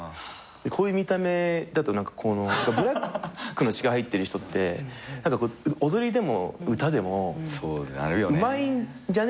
こういう見た目だとブラックの血が入ってる人って踊りでも歌でもうまいんじゃね？